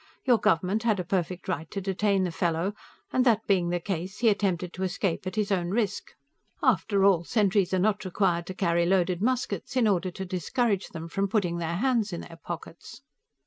Your government had a perfect right to detain the fellow, and, that being the case, he attempted to escape at his own risk. After all, sentries are not required to carry loaded muskets in order to discourage them from putting their hands in their pockets.